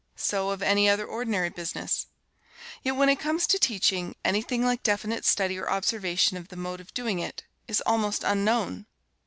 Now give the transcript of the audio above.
So of any other ordinary business. Yet when it comes to teaching, anything like definite study or observation of the mode of doing it, is almost unknown!